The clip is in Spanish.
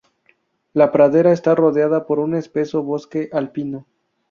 La pradera está rodeada por un espeso bosque alpino.